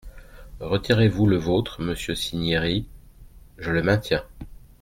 Retirez-vous le vôtre, monsieur Cinieri ? Je le maintiens.